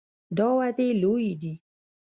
دا وعدې لویې دي.